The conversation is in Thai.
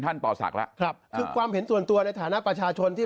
ต่อศักดิ์แล้วครับคือความเห็นส่วนตัวในฐานะประชาชนที่